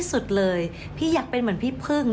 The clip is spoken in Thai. พี่ชอบที่สุดเลยพี่อยากเป็นเหมือนพี่พึ่ง